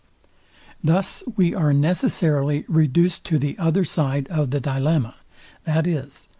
Thus we are necessarily reduced to the other side of the dilemma, viz..